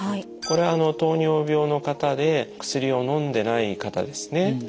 これは糖尿病の方で薬をのんでない方ですね。